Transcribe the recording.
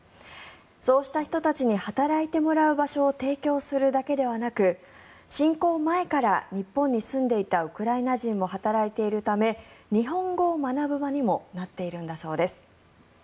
そうした人たちに働いてもらう場所を提供するだけではなく侵攻前から日本に住んでいたウクライナ人も働いているため日本語を学ぶ場にもなっているんだそうです。